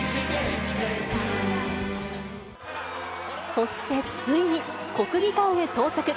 そして、ついに国技館へ到着。